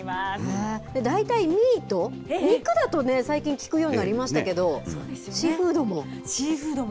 肉だと、最近聞くようになりましたけど、シーフードも？